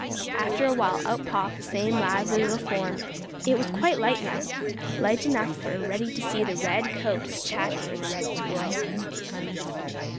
After a while, out popped the same lively little form. It was quite light now, light enough for Reddy to see the red coat of Chatterer the Red Squirrel.